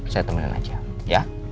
saya temenin aja ya